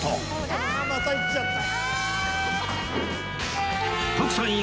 ああまたいっちゃった。